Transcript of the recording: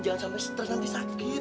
jangan sampai stress nanti sakit